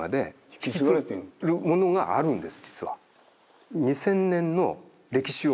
引き継ぐものがあるんです実は。